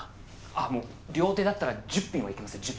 あっもう両手だったら１０品はいけますよ１０品。